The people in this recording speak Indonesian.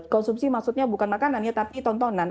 konsumsi maksudnya bukan makanannya tapi tontonan